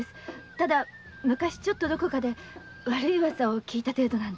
ただ昔ちょっとどこかで悪い噂を聞いた程度なんです。